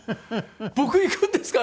「僕が行くんですか？